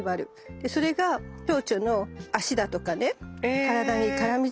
でそれがチョウチョの足だとかね体に絡みつくような仕組みなの。